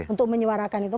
untuk menyuarakan itu